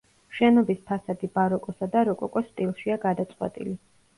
შენობის ფასადი ბაროკოსა და როკოკოს სტილშია გადაწყვეტილი.